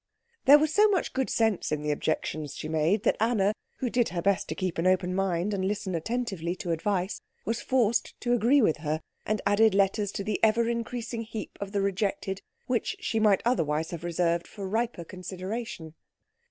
There was so much good sense in the objections she made that Anna, who did her best to keep an open mind and listen attentively to advice, was forced to agree with her, and added letters to the ever increasing heap of the rejected which she might otherwise have reserved for riper consideration.